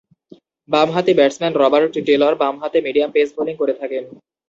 বামহাতি batsman Robert Taylor বামহাতে medium pace bowling করে থাকেন।